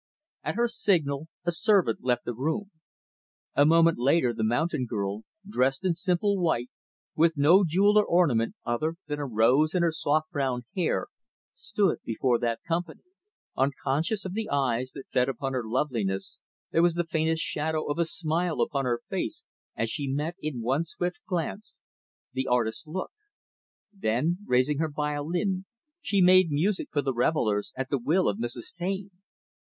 At her signal, a servant left the room. A moment later, the mountain girl, dressed in simple white, with no jewel or ornament other than a rose in her soft, brown hair, stood before that company. Unconscious of the eyes that fed upon her loveliness; there was the faintest shadow of a smile upon her face as she met, in one swift glance, the artist's look; then, raising her violin, she made music for the revelers, at the will of Mrs. Taine.